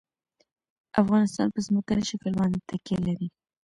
افغانستان په ځمکنی شکل باندې تکیه لري.